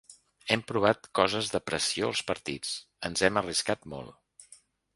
Hem provat coses de pressió als partits, ens hem arriscat molt.